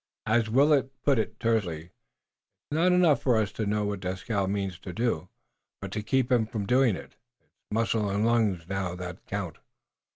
As Willet put it tersely: "It's not enough for us to know what Dieskau means to do, but to keep him from doing it. It's muscle and lungs now that count."